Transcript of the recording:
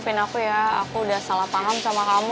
pin aku ya aku udah salah paham sama kamu